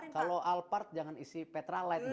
kalau alphard jangan isi petralight dong